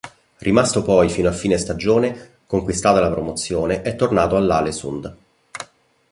Rimasto poi fino a fine stagione, conquistata la promozione, è tornato all'Aalesund.